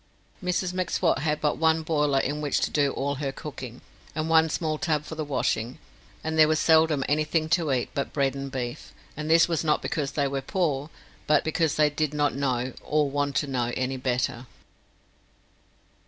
Mrs M'Swat had but one boiler in which to do all her cooking, and one small tub for the washing, and there was seldom anything to eat but bread and beef; and this was not because they were poor, but because they did not know, or want to know, any better.